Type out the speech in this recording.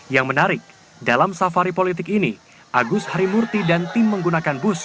yang menarik dalam safari politik ini agus harimurti dan tim menggunakan bus